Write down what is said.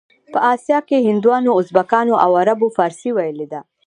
په اسیا کې هندوانو، ازبکانو او عربو فارسي ویلې ده.